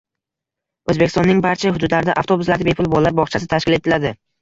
O‘zbekistonning barcha hududlarida avtobuslarda bepul bolalar bog‘chasi tashkil etiladi